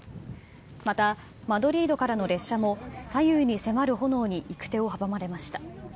またマドリードからの列車も左右に迫る炎に行く手を阻まれました。